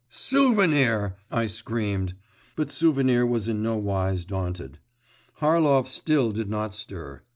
…' 'Souvenir!' I screamed; but Souvenir was in nowise daunted. Harlov still did not stir.